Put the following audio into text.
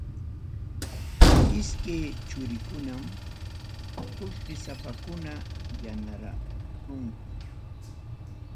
Iskaynin churikunam qullqisapakunayarunku.